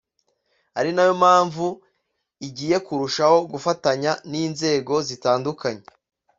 ari nayo mpamvu igiye kurushaho gufatanya n’inzego zitandukanye